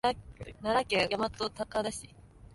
奈良県大和高田市